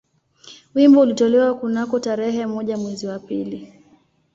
Wimbo ulitolewa kunako tarehe moja mwezi wa pili